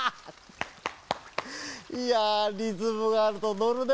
いやリズムがあるとのるね。